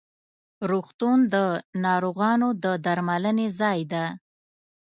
روغتون د ناروغانو د درملنې ځای ده.